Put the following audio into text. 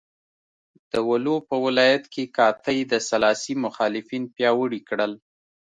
د ولو په ولایت کې قحطۍ د سلاسي مخالفین پیاوړي کړل.